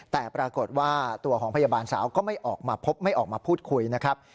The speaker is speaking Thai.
แต่ปรากฏว่าตัวของพยาบาลสาวก็ไม่ออกมาพบไม่ออกมาพูดคุยนะครับ